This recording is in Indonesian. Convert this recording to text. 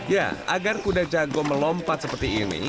ya agar kuda jago melompat seperti ini